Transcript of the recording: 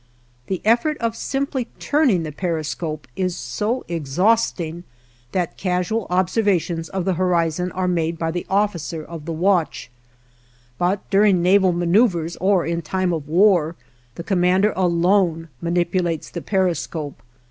The effort of simply turning the periscope is so exhausting that casual observations of the horizon are made by the officer of the watch; but during naval maneuvers or in time of war, the commander alone manipulates the periscope.